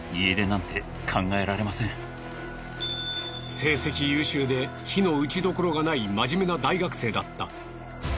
成績優秀で非の打ち所がないまじめな大学生だった。